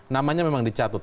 namanya memang dicatut